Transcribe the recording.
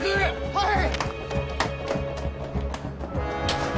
はい！